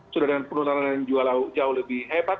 sudah dengan penurunan yang jauh lebih hebat